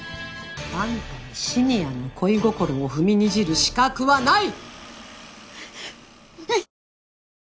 あんたにシニアの恋心を踏みにじる資格はない！